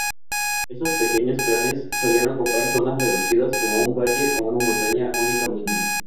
Estos pequeños clanes solían ocupar zonas reducidas, como un valle o una montaña únicamente.